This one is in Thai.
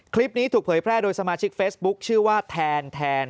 คลิปนี้ถูกเผยแพร่โดยสมาชิกเฟซบุ๊คชื่อว่าแทน